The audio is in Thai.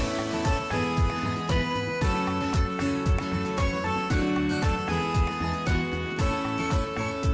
สวัสดีครับสวัสดีครับ